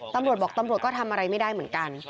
ตำรวจบอกตำรวจก็ทำอะไรไม่ได้เหมือนกัน